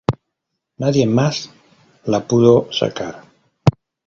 Nadie más la pudo sacar.